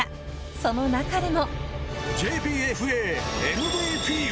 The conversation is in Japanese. その中でも。